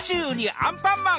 アンパンマン！